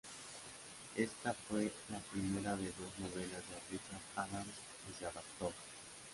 Este fue la primera de dos novelas de Richard Adams que se adaptó.